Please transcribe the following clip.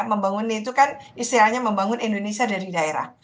membangunnya itu kan istilahnya membangun indonesia dari daerah